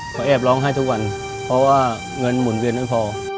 เขาแอบร้องไห้ทุกวันเพราะว่าเงินหมุนเวียนไม่พอ